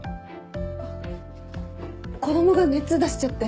あっ子供が熱出しちゃって。